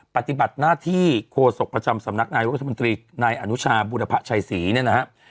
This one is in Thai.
ปฏิบัติหน้าที่โคศกประจำสำนักนายรัฐมนตรีนายอนุชาบุรพะชัยศรีเนี่ยนะครับ